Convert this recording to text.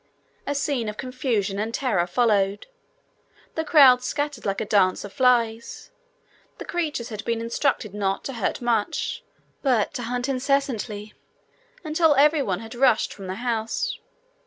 A scene of confusion and terror followed. The crowd scattered like a dance of flies. The creatures had been instructed not to hurt much, but to hunt incessantly, until everyone had rushed from the house.